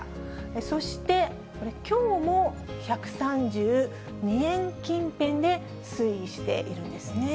そしてこれ、きょうも１３２円近辺で推移しているんですね。